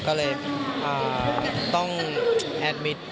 ก็เลยต้องแอดมิตร